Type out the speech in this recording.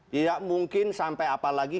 tidak mungkin sampai apalagi